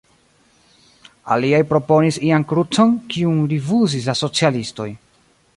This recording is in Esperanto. Aliaj proponis ian krucon, kiun rifuzis la socialistoj.